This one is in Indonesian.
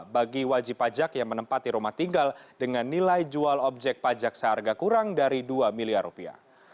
bagi wajib pajak yang menempati rumah tinggal dengan nilai jual objek pajak seharga kurang dari dua miliar rupiah